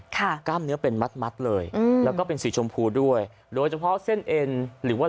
กล้ามเนื้อเป็นมัดมัดเลยอืมแล้วก็เป็นสีชมพูด้วยโดยเฉพาะเส้นเอ็นหรือว่า